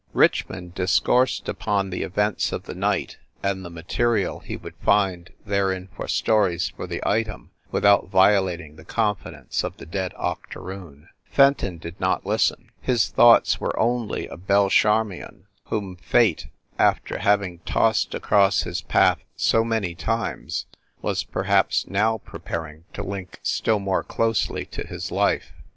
Richmond discoursed upon the events of the night, and the material he would find therein for stories for the Item without violat ing the confidence of the dead octoroon. Fenton did not listen. His thoughts were only of Belle Charmion, whom fate, after having tossed across his path so many times, was perhaps now pre paring to link still more closely to his life.